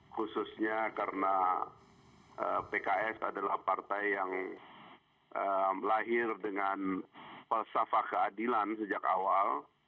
khususnya karena pks adalah partai yang lahir dengan pelsafah keadilan sejak awal